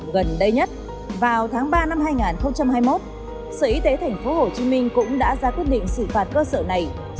gần đây nhất vào tháng ba năm hai nghìn hai mươi một sở y tế tp hcm cũng đã ra quyết định xử phạt cơ sở này